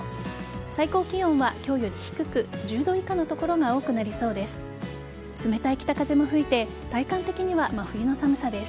最高気温は今日より低く１０度以下の所が多くなりそうです。